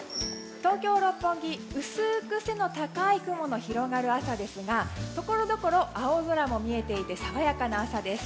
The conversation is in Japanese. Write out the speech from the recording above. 東京・六本木薄く背の高い雲の広がる朝ですがところどころ青空も見えていて爽やかな朝です。